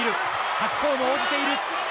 白鵬も応じている。